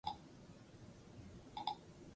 Ondoan, Barroko estiloko zaindariaren etxea dago.